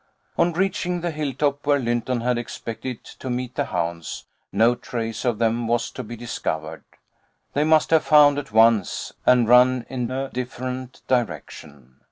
On reaching the hilltop where Lynton had expected to meet the hounds no trace of them was to be discovered. They must have found at once, and run in a different direction.